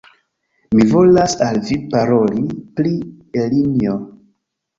Mi volas al Vi paroli pri Elinjo!